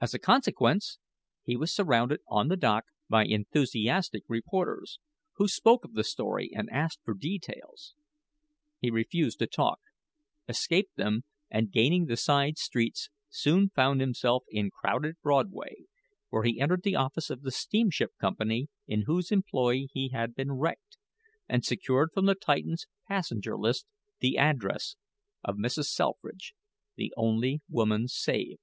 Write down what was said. As a consequence, he was surrounded on the dock by enthusiastic reporters, who spoke of the story and asked for details. He refused to talk, escaped them, and gaining the side streets, soon found himself in crowded Broadway, where he entered the office of the steamship company in whose employ he had been wrecked, and secured from the Titan's passenger list the address of Mrs. Selfridge the only woman saved.